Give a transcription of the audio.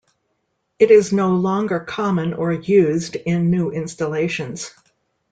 It is no longer common or used in new installations.